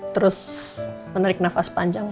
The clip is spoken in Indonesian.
terus menarik nafas panjang